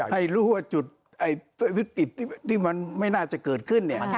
ให้รู้ว่าจุดวิกฤตที่มันไม่น่าจะเกิดขึ้น